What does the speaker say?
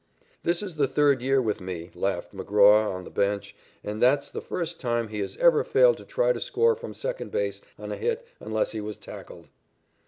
"This is his third year with me," laughed McGraw on the bench, "and that's the first time he has ever failed to try to score from second base on a hit unless he was tackled."